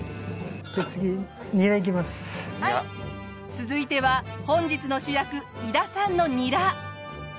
続いては本日の主役伊田さんのニラ。